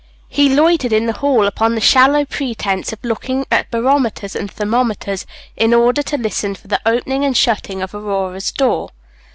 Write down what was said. He loitered in the hall upon the shallow pretence of looking at barometers and thermometers, in order to listen for the opening and shutting of Aurora's door.